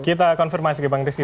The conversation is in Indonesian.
kita confirm aja bang tisky